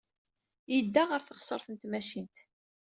Yedda ɣer teɣsert n tmacint.